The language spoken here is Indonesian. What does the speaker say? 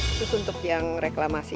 itu untuk yang reklamasi ini